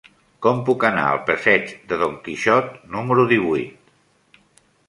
Com puc anar al passeig de Don Quixot número divuit?